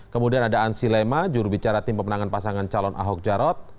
kemudian ada ansi lema jurubicara tim pemenangan pasangan calon ahok jarot